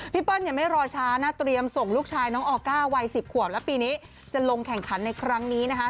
เปิ้ลเนี่ยไม่รอช้านะเตรียมส่งลูกชายน้องออก้าวัย๑๐ขวบแล้วปีนี้จะลงแข่งขันในครั้งนี้นะคะ